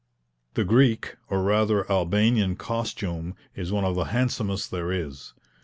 The Greek or rather Albanian costume is one of the handsomest there is.